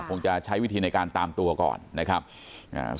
คงจะใช้วิธีในการตามตัวก่อนนะครับอ่า